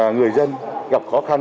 người dân gặp khó khăn